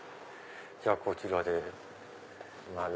じゃあこちらで。